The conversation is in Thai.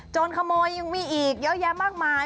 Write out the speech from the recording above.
ขโมยยังมีอีกเยอะแยะมากมาย